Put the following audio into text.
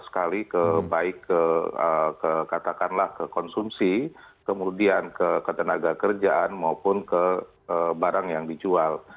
sekali ke baik ke katakanlah ke konsumsi kemudian ke ketenaga kerjaan maupun ke barang yang dijual